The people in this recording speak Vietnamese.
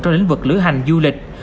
trong lĩnh vực lưỡi hành du lịch